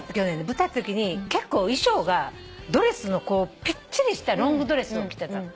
舞台やったときに結構衣装がドレスのこうぴっちりしたロングドレスを着てたの。